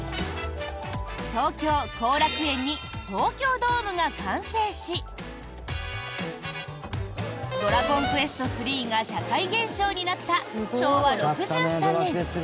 東京・後楽園に東京ドームが完成し「ドラゴンクエスト３」が社会現象になった昭和６３年。